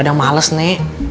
lagi di hun e